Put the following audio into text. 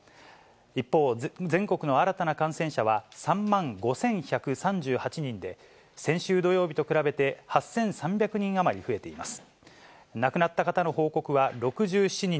一方、全国の新たな感染者は３万５１３８人で、先週土曜日と比べて８３００人余り増えています。